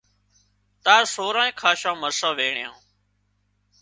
تار سورانئين کاشان مرسان وينڻيان